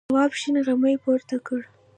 تواب شین غمی پورته کړ.